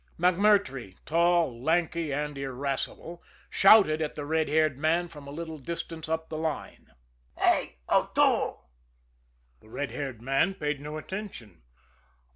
MacMurtrey, tall, lanky and irascible, shouted at the red haired man from a little distance up the line. "Hey, O'Toole!" The red haired man paid no attention.